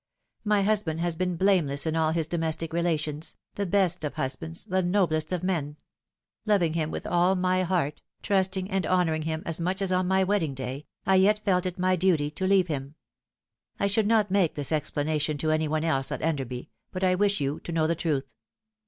My husband has been blameless in all his domestic relations, the best of husbands, the noblest of men. Loving him with all my heart, trusting and honouring him as much as on my wedding day, I yet felt it my duty to leave him. I should not make this explanation to any one else at Enderby, but I wish you to know the truth.